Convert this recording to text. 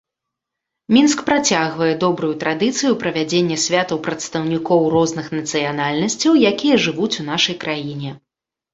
Мінск працягвае добрую традыцыю правядзення святаў прадстаўнікоў розных нацыянальнасцяў, якія жывуць у нашай краіне.